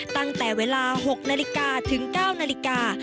ตั้งแต่เวลา๖นาฬิกาถึง๙นาฬิกา